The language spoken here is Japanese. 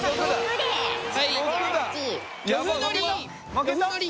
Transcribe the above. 負けた？